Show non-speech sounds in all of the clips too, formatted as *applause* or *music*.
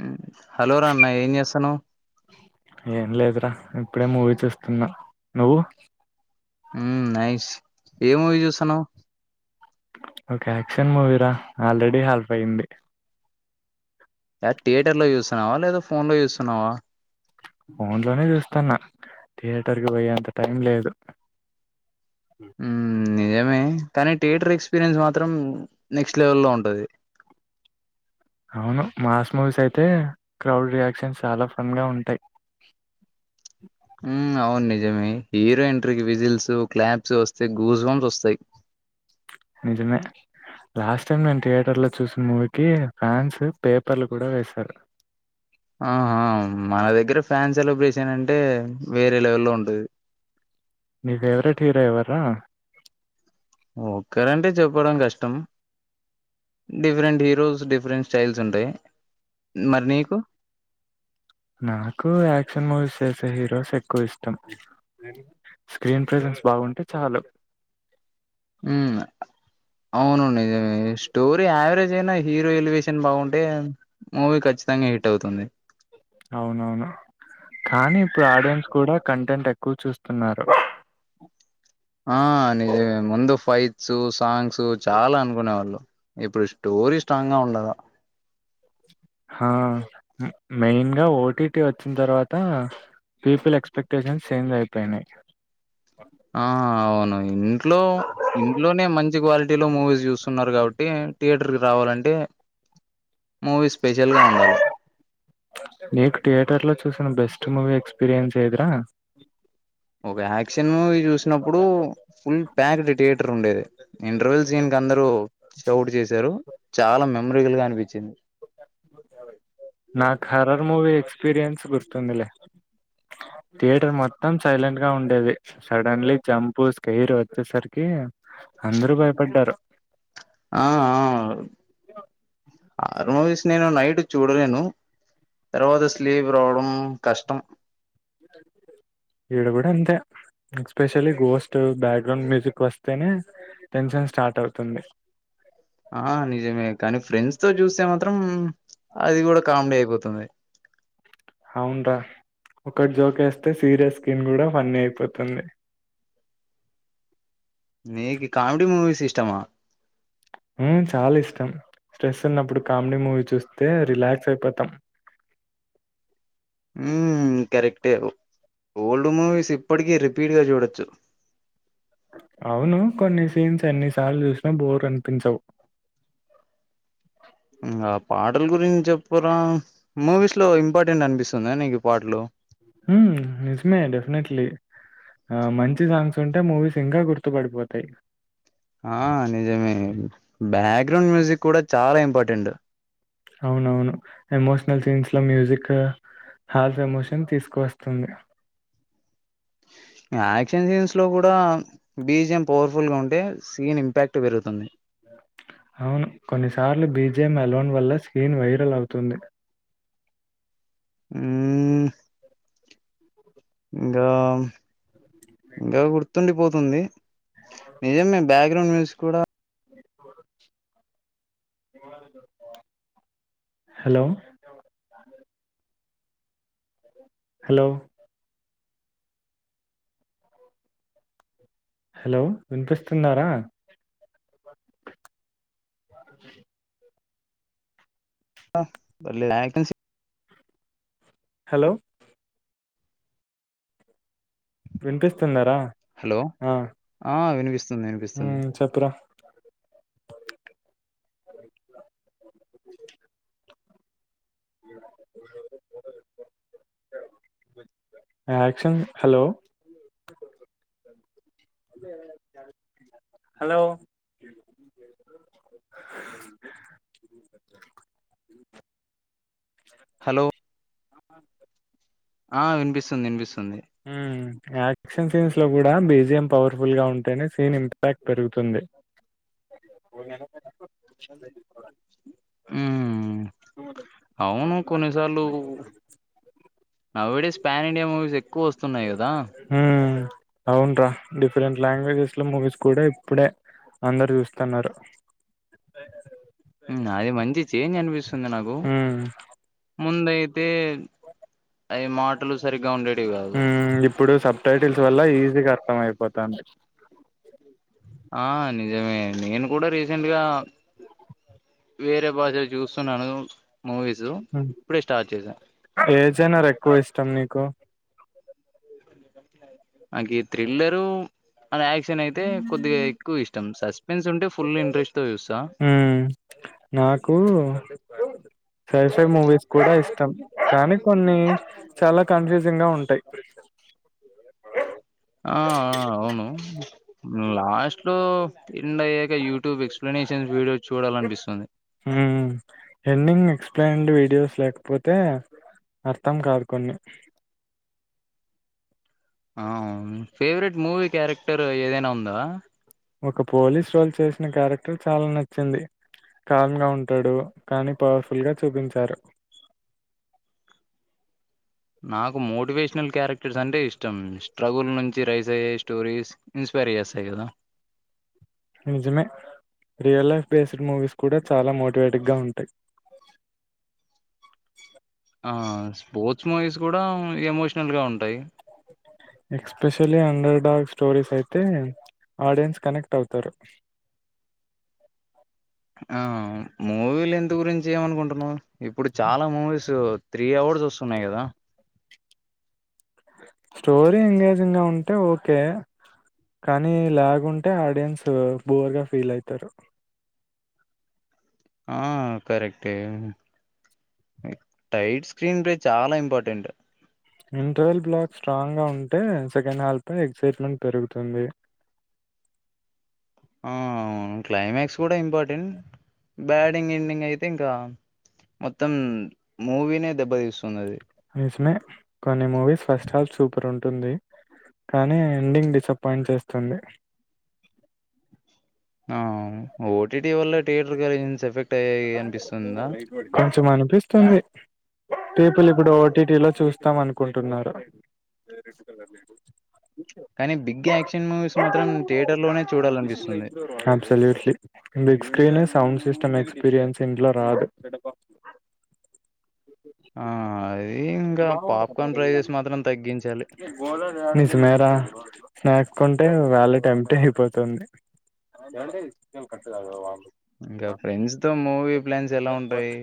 ఉమ్ hello రన్నా ఏం జేస్తున్నవ్ ఏం లేదురా ఇప్పుడే మూవీ చూస్తున్నా నువ్వు ఉమ్ నైస్ ఏ మూవీ చూస్తున్నావ్ ఒక యాక్షన్ మూవీరా ఆల్రెడీ హఫ్ అయింది కాద్ థియేటర్ లో చూస్తున్నావా లేదా ఫోన్ లో చూస్తున్నావా ఫోన్లనే జూస్తున్నా థియేటర్ కి పోయే అంత టైం లేదు ఉమ్ హూ మ్మ్ నిజమే కానీ థియేటర్ ఎక్స్పీరియన్స్ మాత్రం నెక్స్ట్ లెవెల్ లో ఉంటది అవును మాస్ మూవీస్ అయితే క్రౌడ్ రియాక్షన్స్ చాలా ఫన్ గా ఉంటాయ్ *inaudible* మ్మ్ అవును క్లాబ్స్ వస్తయ్ గూజ్ బామ్స్ వస్తాయ్ నిజమే లాస్ట్ టైమ్ నేను థియేటర్ లో చూసిన మూవీకి ఫ్యాన్స్ పేపర్లు కూడా ఏస్తర్ ఆ ఆ మన దగ్గర ఫ్యాన్ సెలబ్రేషన్ అంటే వేరే లెవెల్ లో ఉంటది నీ ఫేవరెట్ హీరో ఎవర్రా ఒక్కరంటే చెప్పడం కష్టం డిఫరెంట్ హీరోస్ డిఫరెంట్ స్టైల్స్ ఉంటయ్ మరి నీకు నాకు యాక్షన్ మూవీస్ చేసే హీరోస్ ఎక్కువ ఇష్టం స్క్రీన్ ప్రజెన్స్ బాగుంటే చాలు *inaudible* ఉమ్ అవును నిజమే స్టోరీ యావరేజ్ అయినా హీరో ఎలివేషన్ బాగుం టే మూవీ ఖచ్చితంగా హిట్ అవుతుంది అవునవును కానీ ఇప్పుడు ఆడియన్స్ కూడా కం టెంట్ ఎక్కువ చూస్తున్నారు ఆ నిజమే ముందు ఫైట్స్ సాంగ్స్ చాలా అనుకునే వాళ్ళు ఇప్పుడు స్టోరీ స్ట్రాంగ్ గా ఉండాలా ఆ మెయిన్ గా ఓటీటీ వచ్చిన తర్వాత పీపుల్ ఎక్స్పెక్టేషన్స్ ఛేంజ్ అయిపోయినయ్ ఆ అవును ఇంట్లో ఇంట్లోనే మంచి క్వాలిటీ లో మూవీస్ జూస్తున్నారు గాబట్టి థియేటర్ కి రావాలంటే మూవీ స్పెషల్ గా ఉండాలి నీకు థియేటర్ లో చూస్ బెస్ట్ మూవీ ఎక్స్పీరియన్స్ ఏది రా ఒక యాక్షన్ మూవీ చూసినప్పుడు ఫుల్ ప్యాక్డ్ థియేటర్ ఉండేది ఇంటర్వెల్స్ సీన్స్ అందరు క్రౌడ్ జేశారు చాలా మెమరికల్ గా అనిపించింది నాకు హర్రర్ మూవీ ఎక్స్పీరియన్స్ గుర్తుందిలే థియేటర్ మొత్తం సైలెంట్ గా ఉండేది సడన్లీ జంపూస్ కైరు వచ్చేసరికి అందరూ భయపడ్డారు ఆ ఆ ఆర్ మూవీస్ నేను నైట్ చూడలేను తర్వాత స్లీప్ రావడం కష్టం ఇడ కూడా అంతే ఎక్స్పెషలీ గోస్ట్ బ్యాక్గ్రౌండ్ మ్యూజిక్ వస్తేనే టెన్షన్ స్టార్ట్ అవుతుంది ఆ నిజమే కానీ ఫ్రెండ్స్ తో చూస్తే తదే అవున్రా ఒకటి జోక్ వేస్తే సీరియస్ స్కిన్ కూడా ఫన్నీ అయిపోతుంది నీకు కామెడీ మూవీస్ ఇష్టమా ఉ చాలా ఇష్టం స్ట్రెస్ ఉన్నప్పుడు కామెడీ మూవీ చూస్తే రిలాక్స్ అయిపోతాం ఉ కరెక్టే ఓల్డ్ మూవీస్ ఇప్పటికీ రిపీట్ గా చూడొచ్చు అవును కొన్ని సీన్స్ ఎన్ని సార్లు చూసినా బోర్ అనిపించవు ఇంగ ఆ పాట్ పాటల గురించి చెప్పు రా మూవీస్ లో ఇంపార్టెంట్ అనిపిస్తుంద నీకు పాటలు ఉ నిజమే డెఫినెట్లీ ఆ మంచి సాంగ్స్ ఉంటే మూవీస్ ఇంకా గుర్తుపడిపోతాయి ఆ నిజమే బ్యాక్గ్రౌండ్ మ్యూజిక్ కూడా చాలా ఇంపార్టెంట్ అవునవును ఎమోషనల్ సీన్స్ లో మ్యూజిక్ హాల్స్ ఎమోషన్ తీసుకు వస్తుంది *inaudible* యాక్షన్ సీన్స్ లో కూడా బీజీయం పవర్ఫుల్ గా ఉంటే సీన్ ఇంపాక్ట్ పెరుగుతుంది *inaudible* అవును కొన్నిసార్లు బీజియం యలోన్ వల్ల స్క్రీన్ వైరల్ అవుతుంది ఉ ఇంగా ఇంగా గుర్తుండిపోతుంది నిజమే బ్యాక్గ్రౌండ్ మ్యూజిక్ కూడా హలో హలో హలో వినిపిస్తుందారా *inaudible* అ యాక్షన్ సీన్ హలో వినిపిస్తుందా రా హలో ఆ ఆ వినిపిస్తుంది ఉ వినిపిస్తుంది చెప్పురా *inaudible* యాక్షన్ హలో హలో హలో ఆ వినిపిస్తుంది వినిపిస్తుంది మ్మ్ యాక్షన్ సీన్స్ లో కూడా బీజిఎం పవర్ఫుల్ గా ఉంటేనే సీన్ ఇంపాక్ట్ పెరుగుతుంది పో ఊ అవును కొన్నిసాలు nowadays pan India movies ఎక్కువ వస్తున్నాయి కదా మ్మ్ అవున్రా డిఫరెంట్ లాంగ్వేజెస్ లో మూవీస్ కూడ ఇప్పుడే అందరు చూస్తున్నారు అది మంచి చేంజ్ అనిపిస్తుంది నాకూ మ్మ్ ముందయి తే అవి మాటలు సరిగ్గా ఉండేటివి కాదు మ్ ఇప్పుడు సబ్ టైటిల్స్ వల్ల ఈ జిగ అర్థం అయిపోతాది ఆ నిజమే నేను కూడా రీసెంట్గా వేరే భాష చూసున్నాను మూవీసు మ్మ్. ఇప్పుడే స్టార్ట్ చేసా ఏ జనర్ ఎక్కువ ఇష్టం నీకు అంకి థ్రిల్లరు అ యాక్షన్ అయితే కొద్దిగా ఎక్కువ ఇష్టం సస్పెన్స్ ఉంటే ఫుల్ ఇంట్రెస్ట్ గ చూస్తా మ్మ్ నాకు సైఫై మూవీస్ కూడా ఇష్టం కానీ కొన్ని చాలా కన్ఫ్యూజింగ్ గా ఉంటాయి ఆ ఆ అవును లాస్ట్ లో ఎండ్ అయ్యాక యూట్యూబ్ ఎక్స్ప్లనేషన్స్ వీడియో చూడాలనిపిస్తుంది హ్మ్ ఎండింగ్ ఎక్స్ప్లెయిన్డ్ వీడియోస్ లేకపోతే అర్థం కాదు కొన్ని ఆ అవును ఫేవరెట్ మూవీ క్యారెక్టర్ ఏదైనా ఉందా ఒక పోలీస్ రోల్ చేసిన క్యారెక్టర్ చాల్ నచ్చింది కామ్ గా ఉంటాడు కానీ పవర్ఫుల్ గా చూపించారు నాకు మోటివేషనల్ క్యారెక్టర్స్ అంటే ఇష్టం స్ట్రగుల్ నుంచి రైస్ అయ్యే స్టోరీస్ ఇన్స్ పరియాసాదా నిజమే రియల్ లైఫ్ బేస్డ్ మూవీస్ కూడా చాలా మోటివేటిగ్ గా ఉంటాయ్ ఆ స్పోర్ట్స్ మూవీస్ కూడా ఎమోషనల్ గా ఉంటాయ్ ఎక్స్పెషలీ అండర్ డాగ్ స్టోరీస్ అయితే ఆడియన్స్ కనెక్ట్ అవుతారు ఆ మూవీలు ఎంత గురించి ఏమనుకుంటున్నాం ఇప్పుడు చాలా మూవీస్ త్రీ అవర్స్ సున్నాయ్ గదా స్టోరీ ఎంగేజింగ్ గా ఉంటే ఓకే కానీ లాగుంటే ఆడియన్సు బోర్ గా ఫీల్ ఐతరూ ఆ కరెక్టే టైట్ స్క్రీన్ ప్లే చాల ఇంపార్టెంట్ ఇంటర్వెల్ బ్లాక్ స్ట్రాంగ్ గా ఉంటే సెకండ్ హాల్ఫ్ పై ఎక్సైట్మెంట్ పెరుగుతుంది ఆ అవును క్లైమాక్స్ కూడ ఇంపార్టెంట్ బ్యాడింగ్ ఎండింగ్ అయితే ఇంకా మొత్తం మూవీనే దెబ్బతీసుందది నిజమే కొన్ని మూవీస్ ఫస్ట్ హాఫ్ సూపర్ ఉంటుంది కానీ ఎండింగ్ డిసప్పాయింట్ చేస్తుంది ఆ ఓటిటి వల్ల థియటర్ క ఎఫెక్ట్స్ కొంచెం అనిపిస్తుంది పీపుల్ ఇప్పుడు ఓటీటి లో చూస్తాం అనుకుంటున్నారు కానీ బిగ్ యాక్షన్ మూవీస్ మాత్రం థియేటర్ లోనే చూడాలనిపిస్తుంది అబ్సల్యూట్లీ బిగ్ స్క్రీనే సౌండ్ సిస్టమ్ ఎక్స్పీరియన్స్ ఇంట్లో రాదు ఆ అ తగ్గించాలి సుమరా కుంటే వాలెట్ ఎట అయిపోతుంది ఇంకా ఫ్రెండ్స్ తో మూవీ ప్లాన్స్ ఎలా ఉంటాయి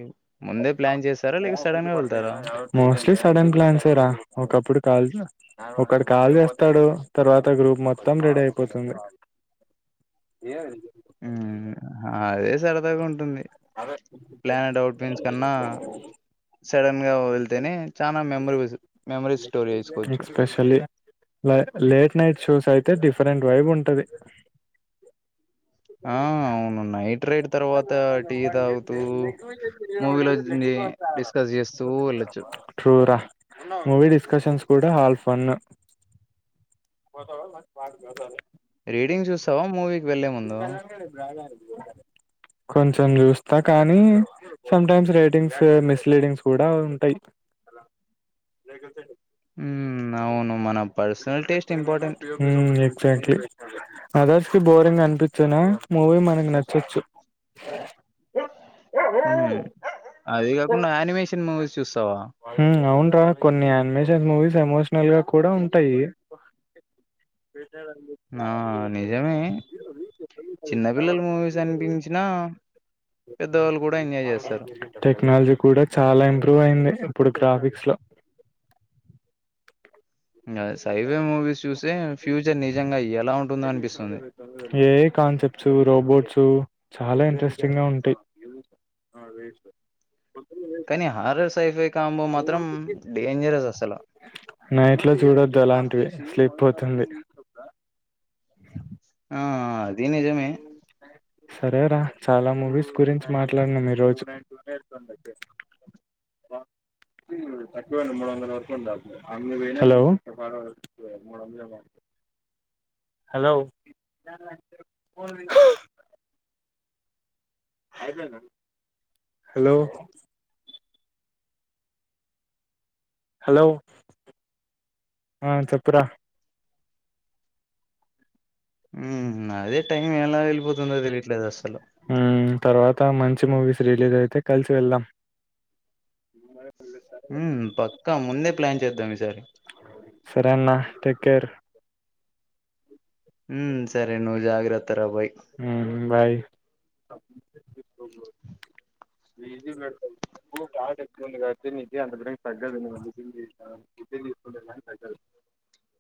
ముందే ప్లాన్ చేస్తారా లేక సడన్ గా వెళ్తారా మోస్ స సడన్ ప్లాన్స్రా ఒకప్పుడు కాల్ ఒక కాల్ చేస్తాడు తర్వాత గ్రూప్ మొత్తం డ అయిపోతుంది *inaudible* ఏది హ అదే సరదాగా ఉంటుంది ప్లానెట్ అట్న్స్ కన్నా సడన్ గా వెళ్తేనే చనా మ మమస్ ఎక్స్పెషలీ లేట్ నైట్ షోస్ అయి అయితే డిఫరెంట్ వైబ్ ఉంటది ఆ అవును నైట్ రైడ్ తర్వాత టీ త డిస్కస్ చేస్తూ వెళ్ళొచ్చు ట్రూ రా మూవీ డిస్కషన్స్ కూడా హల్ ఫన్ బ బ వాే రీడింగ్ చూస్తావా మూవీ ఇది తెదిాగా *inaudible* కొంచెం చూస్తా కానీ సమ్టైమ్స్ రైటింగ్స్ మిస్లీడింగ్స్ కూడా ఉంటాయి ఉమ్ అవును మన పర్సనల్ టేస్ట్ ఇంపార్టెంట్ హ ఎక్సకకల్టలీ అదర్స్ కి బోరింగ్ అనిపిస్తున్నా మూవీ మనకు నచ్చొచ్చు ఓహఓ ఉమ్ అది కాకుండా అనిమేషన్ మూవీస్ చూస్తావా హ అవును కొన్ని నిమేషన్ మూవీస్ ఎమోషనల్ గా కూడా ఉంటాయి ఆ నిజమే చిన్నపిిల్లలు మూవీస్ అనిపించినా పెద్దవాళ్ళు కూడా ఎంజాయ్ చేస్తారు టెక్నాలజీ కూడా చాలా ఇంప్రూవ్ అయింది ఇప్పుడు గ్రాఫిక్స్లో సైవే మూవీస్ చూసే ఫ్యూచర్ నిజంగా అయ్యారు ఏ కాన్సెప్ట్ రోబోట్స్ చాలా ఇంట్రెస్టింగ్ గా ఉంటాయి అ రే స కొ కానీ హారర్స్ైఫెక్ న ఇట్లా చూడొద్దు అలాంటివి స్లిప్ పోతుంది ది నిజమే సరేరా చాలా మూవీస్ గురించి మాట్లాడినా మీ రోజుూ వెతు తక్కువ మూడు వందల వరకు ఉంట మూడు వంద హలో అ హలో హలో హలో ఆ చెప్పురా ఉమ్మ్ అదే టైం ఎలా వెళ్ళిపోతుందో తెలియట్లేదు అసలు ఉమ్మ్ తర్వాత మంచి మూవీస్ రిలీజ్ అయితే కలిసి వెళ్దాం ఉమ్మ్ పక్కా ముందే ప్లాన్ చేద్దాం ఈసారి సరే అన్నా టేక్ కేర్ ఉమ్మ్ సరే నువ్వు జాగ ఉమ్మ్ బాయ్ క్రేజీ ఉన్నాడు తెల్సా అమో బావటి ఎక్కువుంది కాబట్టి నీకి అంత బిరినా తగ్గదు ఇంజక్షన్ చేసినా కానీ *unintelligible* చేసుకుంటేగానీ తగ్గదు